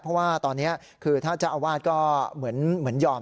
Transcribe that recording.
เพราะว่าตอนนี้คือถ้าเจ้าอาวาสก็เหมือนยอม